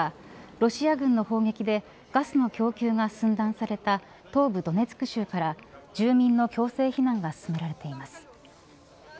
ロシア軍の砲撃でガスの供給が寸断された東部ドネツク州から住民の強制避難が進められています。